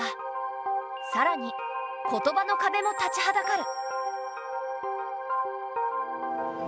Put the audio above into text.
さらに言葉の壁も立ちはだかる。